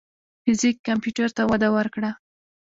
فزیک کمپیوټر ته وده ورکړه.